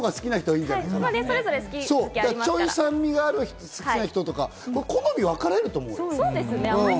ちょい酸味があるのが好きな人とか、好みが分かれると思うよ。